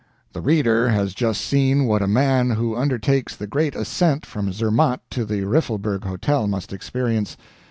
The reader has just seen what a man who undertakes the great ascent from Zermatt to the Riffelberg Hotel must experience.